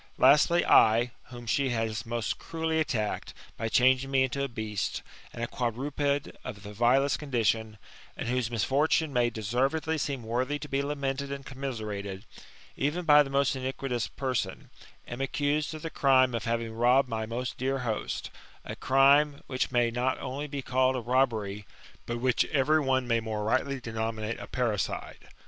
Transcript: Lastly, I, whom she has most cruelly attacked, by changing me into a beast, and a quadruped of the vilest condition, and whose misfortune may deservedly seem worthy to be lamented and commiserated, even by the most iniquitous person, am accused of the crime of having robbed my most dear host; a crime which may not only be called a robbery, but which every one may more rightly denominate a parricide.